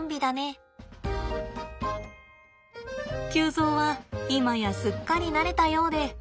臼三は今やすっかり慣れたようで。